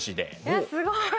えっすごい！